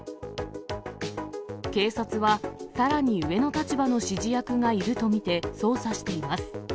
警察は、さらに上の立場の指示役がいると見て、捜査しています。